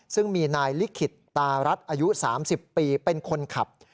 ซึ่งมีนายลิขิตตารัฐอายุ๓๐ปีเป็นคนขับ